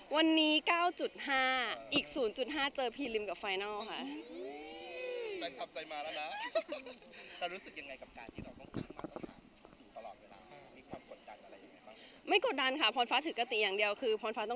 คุณแม่งว่าอย่างพีริมหรือไฟนัลเรามีโอกาสที่จะเห็นพรฟ้าในแบบที่ไม่เคยเห็นพีริม